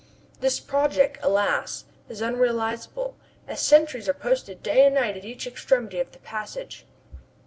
This project, alas! is unrealizable, as sentries are posted day and night at each extremity of the passage.